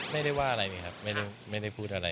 ไม่ได้ว่าอะไรเลยครับไม่ได้พูดอะไร